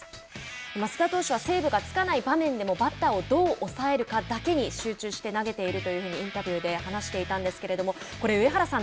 益田投手はセーブがつかない場面でもバッターをどう抑えるかだけに集中して投げているというふうにインタビューで話していたんですけれどもこれ上原さん